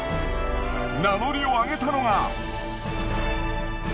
名乗りを上げたのが。